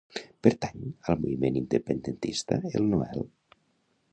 Pertany al moviment independentista el Noel?